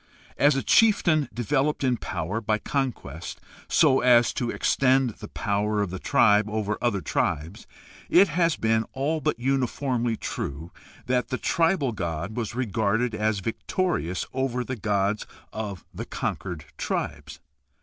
As a chieftain developed in power by conquest so as to extend the power of the tribe over other tribes, it has been all but uniformly true that the tribal god was regarded as victorious over the gods of the conquered tribes.